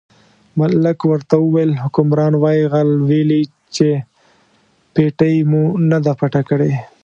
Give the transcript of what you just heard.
ملک ورته وویل حکمران وایي غل ویلي چې پېټۍ مو نه ده پټه کړې.